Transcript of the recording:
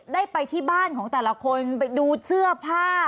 ได้ไปที่บ้านของแต่ละคนไปดูเสื้อผ้า